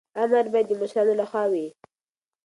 امر باید د مشرانو لخوا وي.